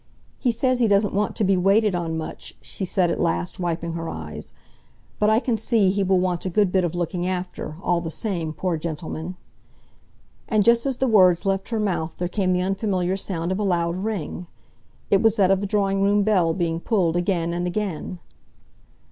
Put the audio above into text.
"He says he doesn't want to be waited on much," she said at last wiping her eyes, "but I can see he will want a good bit of looking after, all the same, poor gentleman." And just as the words left her mouth there came the unfamiliar sound of a loud ring. It was that of the drawing room bell being pulled again and again.